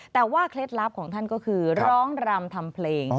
แต่ว่าเคล็ดลับของท่านก็คือร้องรำทำเพลง